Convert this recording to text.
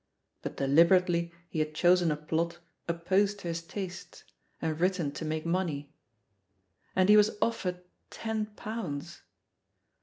But deliberately he had chosen a plot opposed to his tastes and written to make money. And he was offered ten pounds!